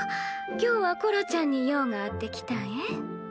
今日はコロちゃんに用があって来たんえ。